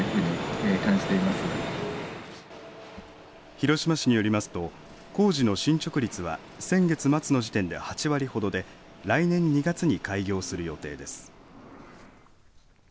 広島市によりますと工事の進捗率は先月末の時点で８割ほどで来年２月に開業する予定です。